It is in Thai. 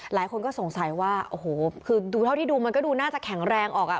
หลายคนก็สงสัยว่าโอ้โหคือดูเท่าที่ดูมันก็ดูน่าจะแข็งแรงออกอ่ะ